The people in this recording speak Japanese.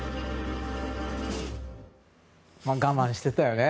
我慢してたよね。